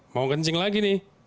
mau kencing lagi nih